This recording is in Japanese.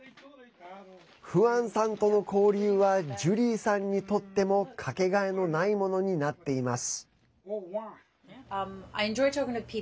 フアンさんとの交流はジュリーさんにとってもかけがえのないものになっています。